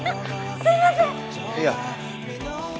すいませんいや